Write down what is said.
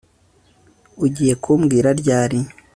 Ugiye kumbwira ryari